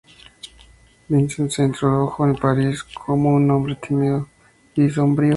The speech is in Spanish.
Vincent se introdujo en París como un hombre tímido y sombrío.